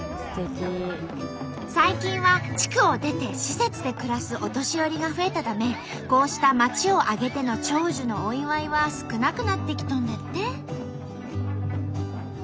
最近は地区を出て施設で暮らすお年寄りが増えたためこうした町を挙げての長寿のお祝いは少なくなってきとんだって。